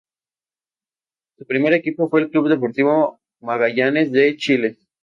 Su primer equipo fue el Club Deportivo Magallanes de Chile.